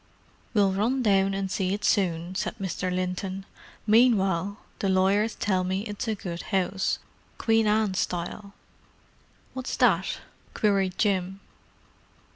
"We'll run down and see it soon," said Mr. Linton. "Meanwhile, the lawyers tell me it's a good house, Queen Anne style——" "What's that?" queried Jim.